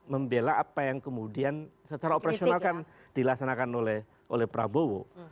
membela apa yang kemudian secara operasional kan dilaksanakan oleh prabowo